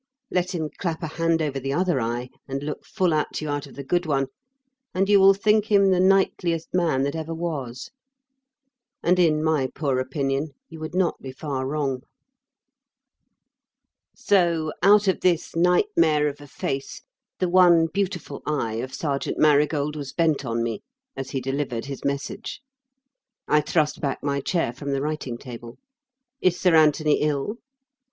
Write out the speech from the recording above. Let him clap a hand over the other eye and look full at you out of the good one and you will think him the Knightliest man that ever was and in my poor opinion, you would not be far wrong. So, out of this nightmare of a face, the one beautiful eye of Sergeant Marigold was bent on me, as he delivered his message. I thrust back my chair from the writing table. "Is Sir Anthony ill?"